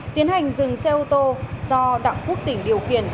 tiến hành dừng xe ô tô do đảng quốc tỉnh điều kiện